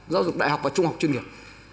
giáo dục đại học và trung học chuyên nghiệp